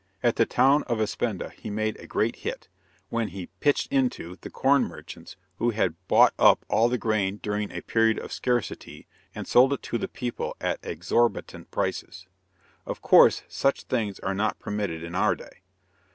At the town of Aspenda he made a great hit, when he "pitched into" the corn merchants who had bought up all the grain during a period of scarcity, and sold it to the people at exorbitant prices. Of course, such things are not permitted in our day!